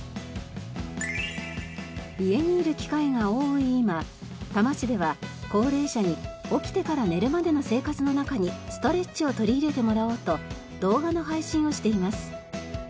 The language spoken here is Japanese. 家にいる機会が多い今多摩市では高齢者に起きてから寝るまでの生活の中にストレッチを取り入れてもらおうと動画の配信をしています。